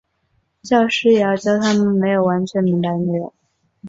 教师也要教他们没有完全明白的内容。